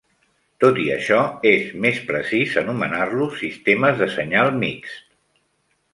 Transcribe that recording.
Tot i això, és més precís anomenar-los sistemes de senyal mixt.